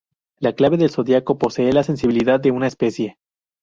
La clave del zodiaco posee la sensibilidad de una especie.